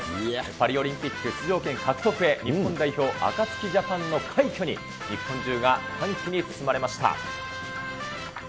パリオリンピック出場権獲得へ、日本代表、アカツキジャパンの快挙に、日本中が歓喜に包まれました。